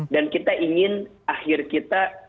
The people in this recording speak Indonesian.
dan kita ingin akhir kita